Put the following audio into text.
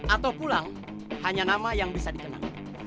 atau pulang hanya nama yang bisa dikenal